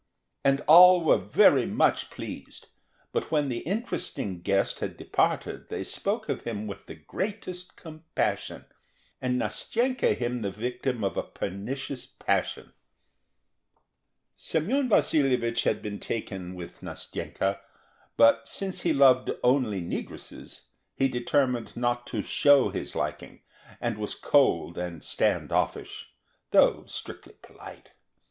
And all were very much pleased; but when the interesting guest had departed they spoke of him with the greatest compassion, and Nastenka him the victim of a pernicious passion. Semyon Vasilyevich had been taken with Nastenka; but since he loved only negresses, he determined not to show his liking, and was cold and stand offish, though strictly polite.